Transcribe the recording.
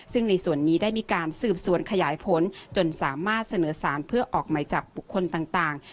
ซึ่งในส่วนนี้ได้มีการสืบสวนขยายผลจนสามารถเสนอสารเพื่อออกหมายจับบุคคลต่าง